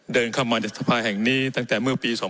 เดินเข้ามาในสภาแห่งนี้ตั้งแต่เมื่อปี๒๕๖